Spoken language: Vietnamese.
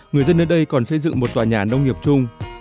người dân nơi đây còn xây dựng một tòa nhà nông nghiệp chung